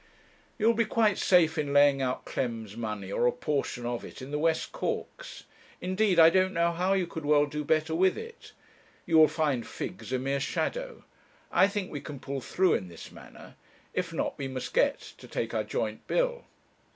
'You will be quite safe in laying out Clem's money, or a portion of it, in the West Corks. Indeed, I don't know how you could well do better with it. You will find Figgs a mere shadow. I think we can pull through in this manner. If not we must get to take our joint bill.